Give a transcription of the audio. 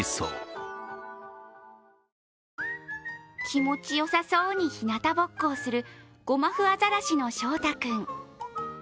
気持ちよさそうにひなたぼっこをするゴマフアザラシの笑大君。